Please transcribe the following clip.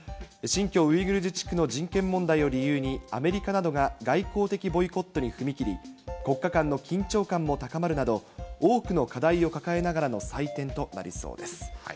新疆ウイグル自治区の人権問題を理由に、アメリカなどが外交的ボイコットに踏み切り、国家間の緊張感も高まるなど、多くの課題を抱えながらの祭典となりそうです。